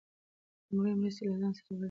لومړنۍ مرستې له ځان سره ولرئ.